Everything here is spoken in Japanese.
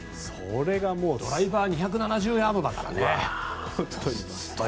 ドライバー２７０ヤードだからね。